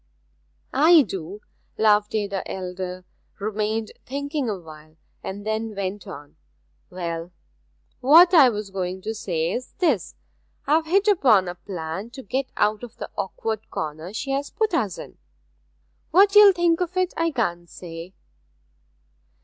'I do.' Loveday the elder remained thinking awhile, and then went on 'Well, what I was going to say is this: I've hit upon a plan to get out of the awkward corner she has put us in. What you'll think of it I can't say.'